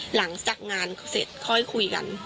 หลังจากงานเสร็จค่อยคุยกัน